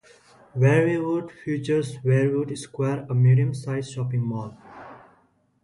Warriewood features Warriewood Square a medium-sized shopping mall.